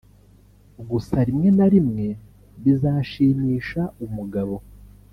Gusa rimwe na rimwe bizashimisha umugabo